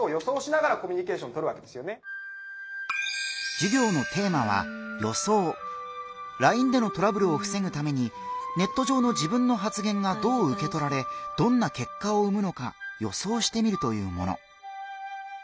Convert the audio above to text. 授業をしてくれるのはＬＩＮＥでのトラブルをふせぐためにネット上の自分の発言がどううけとられどんな結果を生むのか予想してみるというもの。